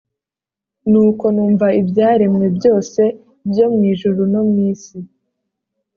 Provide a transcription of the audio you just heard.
Nuko numva ibyaremwe byose byo mu ijuru no mu isi,